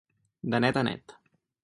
De net a net.